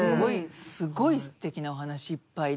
すごい素敵なお話いっぱいで。